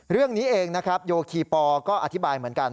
เรื่องนี้เองนะครับโยคีปอก็อธิบายเหมือนกัน